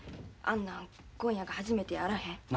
あんなん今夜が初めてやあらへん。